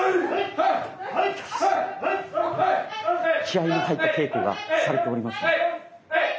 気合いの入った稽古がされております。